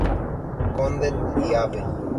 Condell y Av.